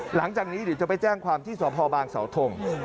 หลังจากนี้เดี๋ยวจะไปแจ้งความที่สพบางสาวทง